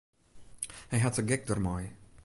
Hy hat de gek dermei.